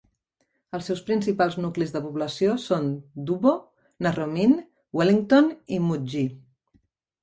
Els seus principals nuclis de població són Dubbo, Narromine, Wellington i Mudgee.